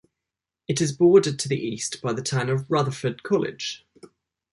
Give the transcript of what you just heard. It is bordered to the east by the town of Rutherford College.